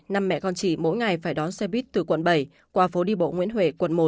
năm mẹ con chị mỗi ngày phải đón xe buýt từ quận bảy qua phố đi bộ nguyễn huệ quận một